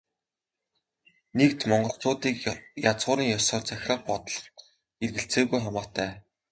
Нэгд, монголчуудыг язгуурын ёсоор захирах бодлого эргэлзээгүй хамаатай.